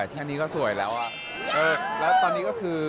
ที่อันนี้ก็สวยแล้วแล้วตอนนี้ก็คือ